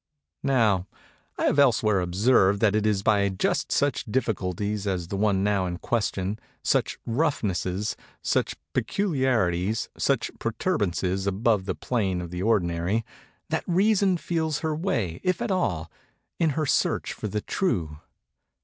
Now, I have elsewhere observed that it is by just such difficulties as the one now in question—such roughnesses—such peculiarities—such protuberances above the plane of the ordinary—that Reason feels her way, if at all, in her search for the True.